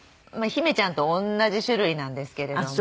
姫ちゃんと同じ種類なんですけれども。